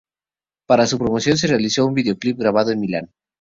Para su promoción, se realizó en videoclip grabado en Milán.